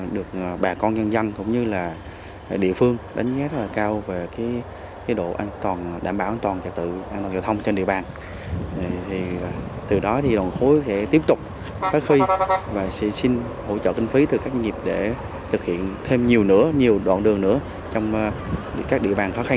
được bà con nhân dân cũng như địa phương đánh giá rất là cao về độ an toàn đại